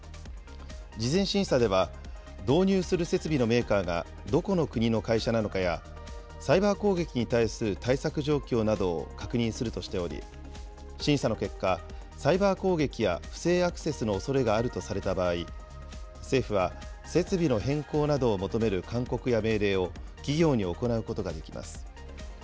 事前審査では導入する設備のメーカーがどこの国の会社なのかや、サイバー攻撃に対する対策状況などを確認するとしており、審査の結果、サイバー攻撃や不正アクセスのおそれがあるとされた場合、政府は設備の変更などを求める勧告や命令を企業に行うことができます。